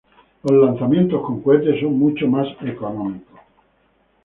Los lanzamientos con cohete son mucho más económicos.